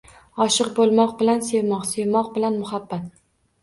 “Oshiq bo’lmoq” bilan ”Sevmoq”, “Sevmoq” bilan “Muhabbat”